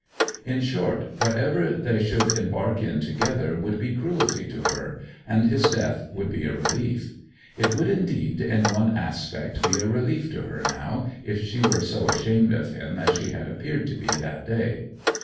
In short, whatever they should embark in together would be cruelty to her, and his death would be a relief. It would, indeed, in one aspect be a relief to her now, if she were so ashamed of him as she had appeared to be that day.